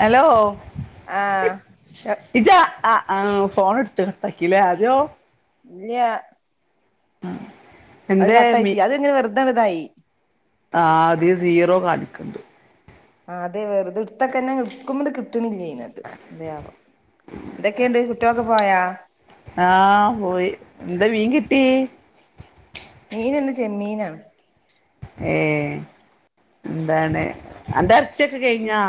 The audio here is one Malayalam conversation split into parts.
ഹലോ ആഹ് ഇജ്ജ് ആ ഫോൺ കട്ടക്കിലേ ആജോ ഇല്ലയ ആ അത് കട്ടായിട്ട അത്ങ്ങനെ വ തതായി ആ അധി സീറോ കണിക്കണ്ട് ആ അതെ വെറത ത്തൊക്കെ ന്നെ എക്കു [unintelligible] എന്തൊക്കെയുണ്ട് കുറ്റമൊക്കെ പോയാ തിയ്യ് മീൻന്ന് ചെമ്മീനാണ് ഏ എന്താണ് എന്ത അരച്ചൊക്കെ കഴിഞ്ഞാ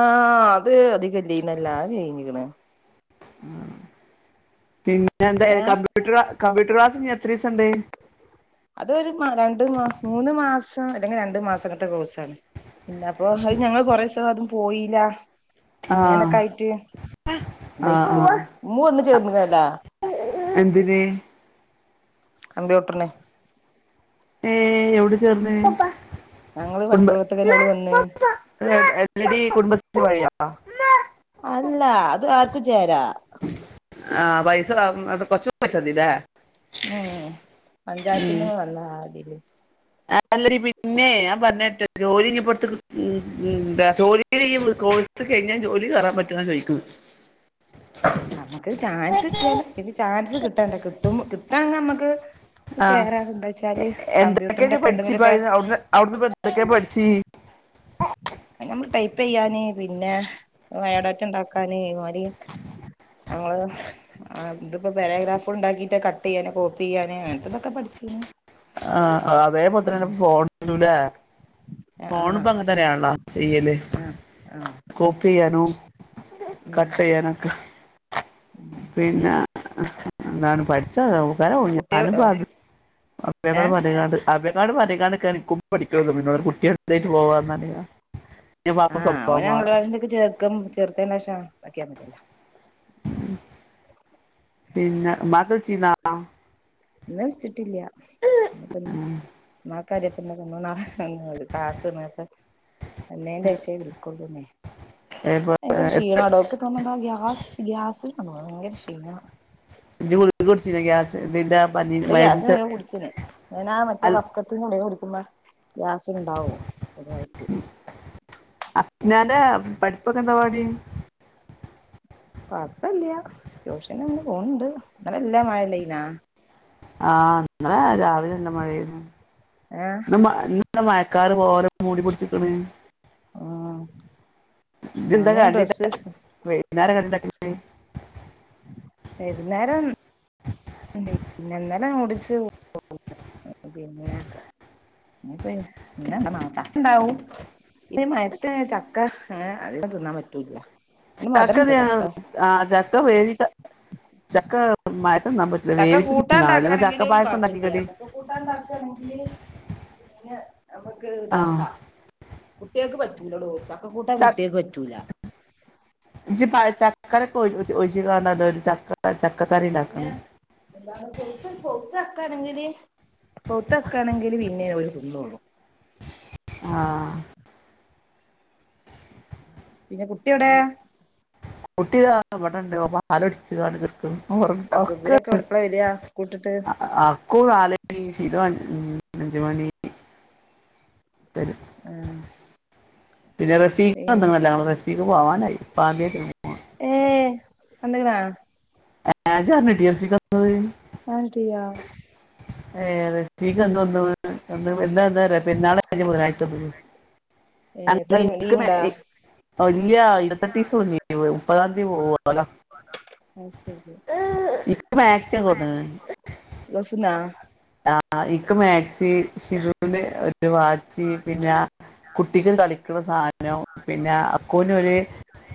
ആഹ് അത് അധികല്ലന്നല്ല കഴഞ്ഞിക്കണ് ആ പിൻ ന്ന എന്താ ഏഹ് കമ്പ്യൂട്ടർ ആ കമ്പ്യൂട്ടർ ക്ലാസ് എത്രീസണ്ടേ അതൊരു രണ്ട് മൂന്ന് മാസം അല്ലെങ്കിൽ രണ്ട മാസം അങ്ങനത്തെ കോഴ്സ ആണ് പിന്നെ അപ്പൊ ഞങ്ങള് കൊറേ സം അതും പോയില്ല ആ അങ്ങനൊക്കെ ആയിട്ട് ആ ദയിക്കണ് ആ മൂ ഒന്ന് ചേർന്നല്ലാ എന്തിന് കമ്പ്യൂട്ടറിന് ഏ എവിടെ ചേർന്ന് ഞങ്ങള് പഠിക്കണോടത്തേക്ക് തന്നെ ഓള് വന്ന് [unintelligible] [unintelligible] [inaudible] അല്ല അത് ആർക്കും ചേരാ ആ പൈസ അത് കൊച്ച പൈസ്സതീലെ ഉം പഞ്ചായത്തിന്ന് വന്നതില് ആല്ലടി പിന്നെ ഞാൻ പറഞ്ഞട്ടെ ജോലി ഇപ്പറത്ത് ഉ എന്താ ജോലി കോഴ്സ് കഴിഞ്ഞ ജോലി കയറാൻ പറ്റുന്ന ചോദിക്കുന്നു നമ്മുക്ക് ചാൻസ് കിട്ടിയാലും ഇനി ചാൻസ് കിട്ടണ്ടേ കിട്ടും കിട്ടാങ്ക നമ്മുക്ക് ആ കേറാ എന്താച്ചാല് കമ്പ്യൂട്ടറിന്റെ എന്തൊക്കാ ഒക്കെ പഠിച്ചിപ്പ എന്തെങ്കിലുമൊക്കെ അവിടു അവിടുന്ന്പ്പ എന്തൊക്കെ പഠിച്ച് നമ്മള് ടൈപ്പ് ചെയ്യാന് പിന്നെ ബയോഡാറ്റ ഉണ്ടാക്കാന് ഇമാതിരി നമ്മള് ഇതിപ്പോ പാരഗ്രാഫ് ഉണ്ടാക്കിട്ട് കട്ട് ചെയ്യാന് കോപ്പി ചെയ്യാന് അങ്ങനത്തെതൊക്കെ പഠിച്ചിരുന്നു ആ അതേ [unintelligible] ഫോണൂല്ലേ ഫോണ് ആഹ് ഇപ്പ അങ്ങ് തരാണ ചെയ്യല് ആഹ് ആഹ് കോപ്പി ചെയ്യാനോ ഉം കട്ട് ചെയ്യാനൊക്കെ പിന്നെ എന്താണ് പഠിച്ചതാവ കുട്ടികൾ ഏഹ് [unintelligible] ആഭേക്കാടും പറഞ്ഞേക്കണ്ടേകേണ് പഠിക്കാന്ന് പിന്നട് കുട്ടികളേക്ക് പോവാന്നറയ ആഹ് അവൻ അംഗൻവാടിലൊക്കെ ചേർക്കും ചേർത്തേന് ശേഷാന് പറ്റിയാ മതില്ല പിന്നെ ഉമ്മാക്ക് [unintelligible] ഇന്ന് വിളിച്ചിട്ടില്ല മ് [unintelligible] എന്നേൻ്റേഷേ വിളിക്കൊള്ളൂന്നേ. ഇപ്പൊ ഭയങ്കര ക്ഷീണാടോ ഇന്ക് തോന്നണെ എന്താ ഗ്യാസ് ഗ്യാസ് അ ഭയങ്കര ക്ഷീണ ഇജ് ഗുളിക കുടിച്ചിനോ ഗ്യാസിന്റെ ദിന്റ ഗ്യാസിന് കുടിച്ച ഞാ മറ്റേ അൽ കഫകെട്ട് കൊടുക്ക്പ ഗ്യാസ് ഉണ്ടാവും ഇതായിട്ട് അ ഞാന് പഠിപ്പൊക്കെ എന്താ [inaudible] ട്യൂഷൻ തന്നെ പോണണ്ട് [unintelligible] ആ് ന്ന് രാവിലെ എന്ന മഴരുന്നു ഏഹ് മഴക്കാര് ഓരോ മൂടി പിടിച്ചിക്കണ് ഉം ജിന്താ ഞാന് കണ്ടി ഡ്രസ്സ് [unintelligible] വൈകുന്നേരം പിന്നെ [unintelligible] പിന്നെ ഇനിപ്പ ചക്ക ഉണ്ടാവും മയത്ത് ചക്കഏ അതി തിന്നാൻ പറ്റൂല [unintelligible] മഴയത്ത് തിന്നാൻ പറ്റില്ല ചക്ക വേവിച്ച് തിന്നാള അല്ലെങ്കിൽ ചക്ക കൂട്ടാണ്ടാക്കണെങ്കിലും പായസം കൊയപ്പില്ല ഉണ്ടാക്കിക്കടി ചക്ക കൂട്ടാണ്ടാക്കണെങ്കില് [unintelligible] നമുക്ക് ആഹ് ഇതാക്കാം കുട്ടികൾക്ക് പറ്റും [unintelligible] ചക്കക്കൂട്ടാൻ ച കുട്ടിയക്ക് വറ്റൂല ചക്കരെ [unintelligible] ചക്ക ചക്കക്കറി പിന്നെ ഉണ്ടാക്കണം പഴുത്ത ചക്ക ആണെങ്കിൽ പിന്നതിന്നോളും ആഹ പിന്നെ കുട്ടി എവിടെ [inaudible] അക്ക് ഇവരൊക്കെ എവിടെപ്പളാ വരിക [unintelligible] സ്കൂട്ടിട്ട് ഉറക്ക അഞ്ച്മണി പിന്നെ ആ [unintelligible] ആവാനായി ഏ വന്ന്ക്കണാ [unintelligible] ആന്റിയാ [unintelligible] [inaudible] ഏ എത്ര ലീവുണ്ടാ മുപ്പതാന്തി പോവോ ഒല ആഹ് ശരി ഇൻക്ക് മാക്സി ഒക്കെ കൊട്ന്ന്ണ് ൾ [unintelligible] ആ ഇക്ക് മാക്സി ശിരുന് ഒര് വാച്ച് പിന്നെ കുട്ടിക്ക് കലി ക്ണ സാഅനോ പിന്നെ അക്കൂനൊരു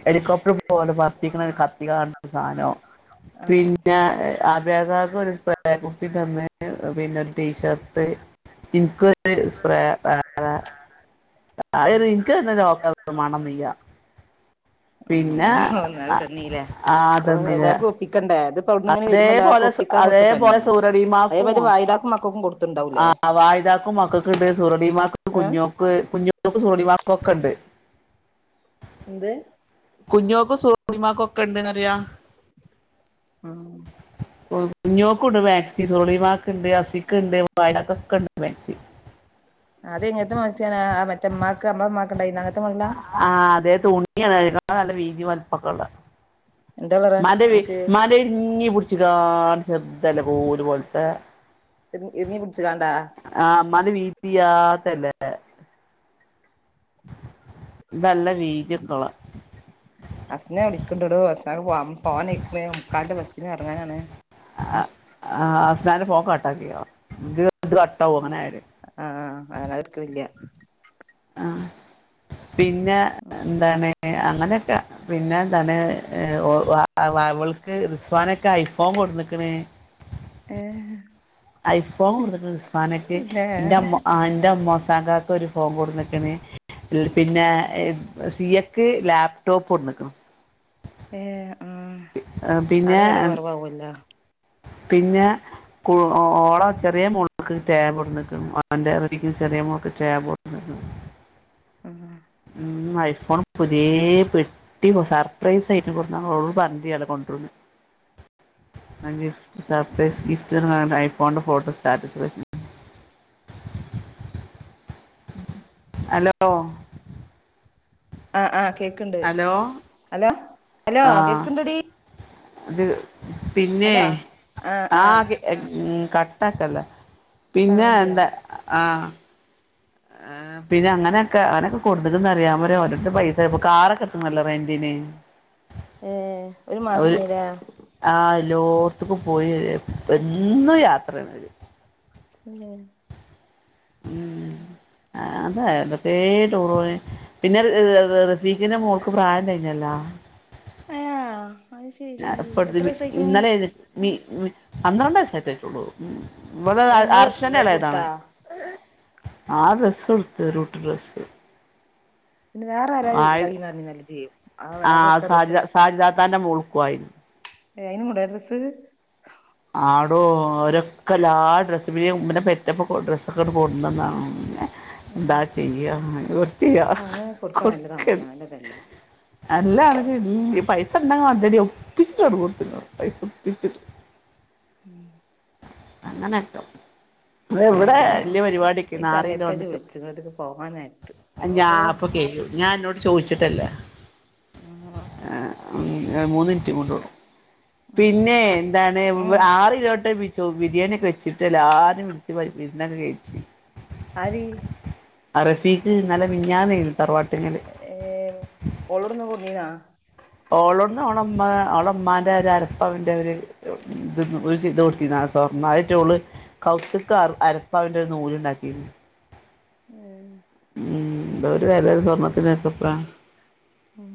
എലികോപ്റ്റർ പോലെ പറത്തീക്കണ കത്തി കളാ സാനോ ആഹ് പിന്നെ ആബിയാത്താക്കൊരു സ്പ്രെ കുപ്പി തന്ന് അ പിന്നൊരുടീശർ പേ ഇൻകൊരു സ്പ്രേ വേറെ ആഹ് ര് ഇൻക്ക് ന്നെ ലോക്ക മാണംനില്യ [unintelligible] അഹ് ആ തന്നില്ലേഓ തന്നില്ല എല്ലാർക്കും ഒപ്പിക്കണ്ടേ ത് അതേപോലെ സു അതേപോലെ സൂരടിമാർക്കും നോക്കാം തുണ്ടാവുല്ലെ ആ വായിതാക്കും മക്കക്കുണ്ട് സൂറണിമാക്ക് ഏഹ് കുഞ്ഞോക്ക് കുഞ്ഞോക്കു സുറണിമാക്കും ഒക്കെണ്ട് എന്ത് കുഞ്ഞോക്കും സോണിമാക്കുക്കെണ്ട്ന്ന്റിയാ ആഹ് കുഞ്ഞോക്കുണ്ട് മാക്സി സോളിവാക്കുണ്ട് അസിക്കുണ്ട് വായതാക്കൊക്കെണ്ട് മാക്സി അത് എങ്ങൻത്തെ മസ്യാണ് ആ മറ്റേമാക്ക് അമ്മ അമ്മാക്ക് ഉണ്ടായിന്ന് അങ്ങനത്തെ മളിലാ ആ നല്ല വീതി വല്പ്പക്കള്ള എന്താ കളറ് മാധവി അനക്ക് മാധവി ഇന്നീപിടിച്ചിക്കാ ആൻ ചെർതല കോലുപോൽത്തെ ഇറി ഇറിഞ്ഞി പിടിച്ച്കാണ്ടാ ആ അമ്മാന്റെ വീതിയ്യാത്തല്ലേ എ വീതിയൊക്കെള്ളെ അസ്നെ വിക്ക്‌ണ്ടട [unintelligible] പോവാനായ്ക്ണ് മുക്കാല്ന്റെ ബസ് ന്ന് എറങ്ങാനാണ് ആ ആസ്നാന്റെ ഫോൺകട്ടാക്കിയൊ അഹ് ആ ആ അഹ്എട്ക്ക്ണ്ല്യ ആഹ് പിന്നെ എന്താണ് എ അങ്ങനെയൊക്കെ പിന്നെന്താണ് ഒ അ വ അവൾക്ക് സ് സോനൊക്കെ ഐഫോൺ കൊട്ന്ന്ക്ണ് ഏഹ് ഐഫോൺകൊട്ത്ത്ക്ക്ണ് ഉസ്മാനൊക്കെ പിന്നെ എന്റെ അമ്മ എന്റെ മോസാന്റെ- ഒരു ഫോൺ കൊടുനിക്കണ് പിന്നെ സി എക്ക് ലാപ്ടോപ്പ് കൊണ്ടുനിക്കണ് ഏഹ് ആഹ് അടെ പിന്നെ വില കുറവാവുല്ലോ പിന്നെ കു ഓള ചെറിയ മോൾക്ക് ടാബ് കൊണ്ടിനിക്കണ് അവന്റെ റിടിക്കും ചെറിയമോൾക്ക് ടാബ് കൊണ്ടിനിക്കണ് ഉം ഉം ഐഫോൺ പുതിയേ പെട്ടി സർപ്രൈസ് ആയിട്ടകൊടുന്ന് ഓളോട്പറതില്ല അതൊണ്ടുരൂന്ന് സർപ്രൈസ് ഗിഫ്റ്റ് കാണ് ഐഫോണന്റെ ഫോട്ടോ സ്റ്റാറ്റസ് വെച്ചീനി ഉം ഹലോ ആഹ് ആഹ് കേക്കണ്ട് ഹലോ ഹലോ ഹലോ കേക്കുണ്ട് ഡീ അത് പിന്നെ ആഹ് ആഹ് ആകെ ഉം കട്ടാക്കല്ല് പിന്നെ കട്ടാവ്ണില്ല എന്താ ആഹ് ആ പിന്നെ അങ്ങനെയൊക്കെ അവനൊക്കെ കൊടുത്തിട്ടന്ന് അറിയാൻ പറയാ ഓരോരുത്തടെ പൈസ ഇപ്പ കാറൊക്കെ എടുത്തുല്ലോ റെന്റിന് ഏ ഒരു മാസത്തിന് ഇല്ലേ എല്ലോർത്തുക്കും പോയി എന്നും യാത്രയണവര് ഉം ഉം അതാ എവിടൊക്കെയോ ടൂർ പോയി പിന്നെ റസീഖിന്റെ മോൾക്ക് പ്രായം തികഞ്ഞല്ലാ ഏഹ് അത് ശെരി ഞാൻ എപ്പ എത്രസായിക്ക്ണ് ഇന്നലെ [unintelligible] മീ ഉം പന്ത്രണ്ട് വയസ് ആയിട്ടേയുള്ളൂ ഇവള് എടാ ഇങ്ങള് അർഷന്റെ എന്താ ഇളയതാണ് കൊടുത്താ ആ ഡ്രസ് എടുത്ത് ഒരൂട്ട് ഡ്രസ്സ് പിന്നെ വേറെ ആരും ആയി എന്താന്ന് അറിഞ്ഞാ എല്ലാം ചെയ്യും ആ [unintelligible] താന്റെ മോൾക്കുവായ് അയിനും കൂടെ ഡ്രസ് ആടോ ഒരൊക്കെല്ലാ ഡ്രസ് പി ഉമ്മനെ പെറ്റപ്പ ഡ്രസ്സൊക്കെ ഇത് കൊണ്ടന്ന് ഉം എന്താ ചെയ്യാ [unintelligible] അങ്ങനെ കൊടുക്കാൻ കൊക്ക നല്ലതാണല്ലോ നല്ലതല്ലേ [unintelligible] അല്ലണച്ച പൈസ ഉണ്ടങ്ക അന്തടി ഒപ്പിച്ചിട്ട പൈസ ഒപ്പിച്ചിട്ട് ഉം [inaudible] അങ്ങനാട്ടോ ഇവിടെ വലിയ പരിപാടിക്ക് ഈ നാല് കിലോ സമയത്താ ഇജ്ജ് ഒന്നിച്ച് കണ്ടിച്ചോ വിളിച്ച്ക്ക്ണത് ഇക്ക് പോവാൻ നേരത്ത് [unintelligible] ഓഹോ ഞാൻപ്പൊ കേു ഞാൻ എന്നോട് ചോദിച്ചിട്ടല്ലേ ആഹ് ഞ മൂന്നിറ്റമണ്ടളൂ ഉം പിന്നെ എന്താണ് ആറിലോട്ട് പി ചോ ബിരിയാണി ഒക്കെ വെച്ചിട്ട്ല്ല ആരും [unintelligible] പിന്നെ അങ്ങ് കഴിച്ച് ആര് അറസി ട്ട് നല്ല മിനിയാന്നെ തറവാട്ടിങ്ങല് ഏഹ് ഓള് ഇവ്ട്ന്ന് കൊട്ന്നീനാ ഓളോന്ന് അവളമ്മ അവളുമ്മാന്റെ ഒര് അരപ്പവന്റെ ഒര് [unintelligible] സ്വർണ്ണയിട്ട് ഓള് കൗത്ത്ക്ക് അരപ്പവന്റെ ഒരു നൂല് ഇണ്ടാക്കിയിരുന്നു ആ ഉം എന്തരു വെലെ സ്വർണ്ണത്തിന് ക്കെ പ്പം മ്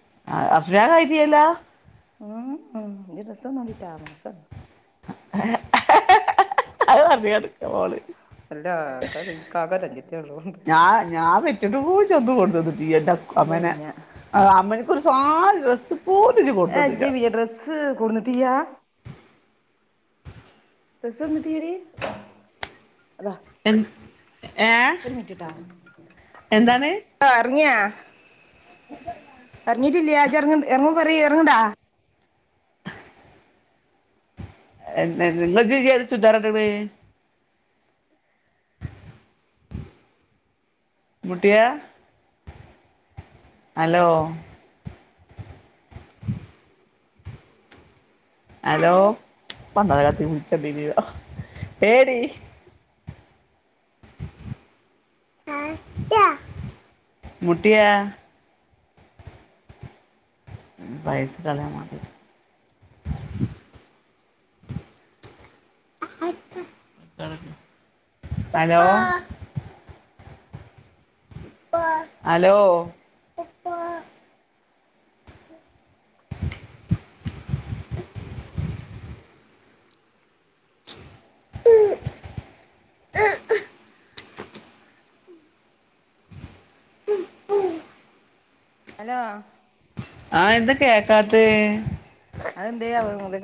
[unintelligible] ഉം ഉ രസംനോട്ടി ട്ടോ രസം അത് പറഞ്ഞ് നടക്കാ മോള് അല്ല [unintelligible] ഞാ ഞാൻ പെ [unintelligible] കൊടുത്തത് [unintelligible] ഇല്ല ഇല്ല അമ്മ നേ ഒരു സാ രസും ഏ ഇജ് വിയ ഡ്രെസ്സ് കൂന്നിട്ടില്ലാ ഡ്രസ് വന്നിട്ടില്ല ടീ അതാ എ ഏ ഒരുമിചനി ട്ടാ എന്താണ് ആ ഇറങ്ങിയോ ഇറങ്ങിട്ടില്ല ഇജ്ഇറങ്ങ ഇറങ്ങു പറി ഇറങ്ങ് ണ്ടോ എന്നാ ങ്ങൾ ഇജ് ജ് ഏത് ചുര്ദാറാ ഇട് ണേ ഇമ്മുട്ടിയേ ഹലോ ഹലോ പണ്ടാരത്തി വിളിച്ചത്തിനോ ഏ ടീ ഇമ്മുട്ടിയേ പൈസ കളയാൻ മതി ഹലോ ഹലോ ഹലോ ആഎന്താ കേക്കാത്തെ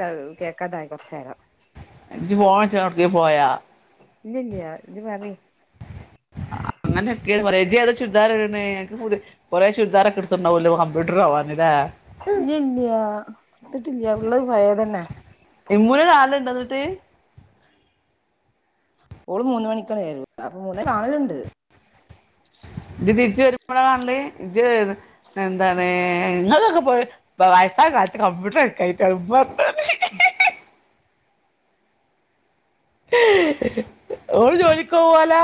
അഅ് കേക്കാതായി കുറചേരം ഇജ് ഫോൺ വെച്ച് ഒട്ക്കേ പോയോ ഇല്ല ഇല്ലയ ഇജ് പറി അങ്ങനെക്കെ പറ ഇജ് ഏതാചുരിദാ റ് ഇട് ണേ അൻ ക്ക് കു കൊറെ ചുരിദാർ എടുതീണ്ടാവല്ലോ കമ്പ്യൂട്ടർ പോവാൻ ലേ ഇല്ല ഇല്ലയാ ഇട് തിട്ടില്ല ഉള്ളത് പയേതന്നെ ത്ത് ഓള് മൂന്ന്മണിക്കാണ് വരു അപ്പൊ മൂന്നെ കാണലുണ്ട് ഇബ് തിരിച്ചവരുമ്പോഴ കാണല്എന്താണ് ഇങ്ങൊക്കെ പോയി വയസ്സായ കാലത്ത് കമ്പ്യൂട്ടർ പടിക്കാഞ്ഞിട്ടാ പ്പം ഓള്ജോലിക്ക് പോവോ ലേ